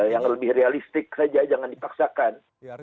yang lebih realistik saja jangan dipaksakan